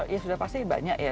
ya sudah pasti banyak ya